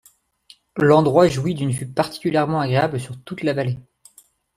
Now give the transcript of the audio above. L’endroit jouit d’une vue particulièrement agréable sur toute la vallée.